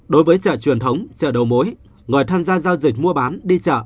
đối với chợ truyền thống chợ đầu mối người tham gia giao dịch mua bán đi chợ